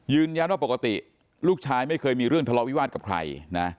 ว่าปกติลูกชายไม่เคยมีเรื่องทะเลาวิวาสกับใครนะ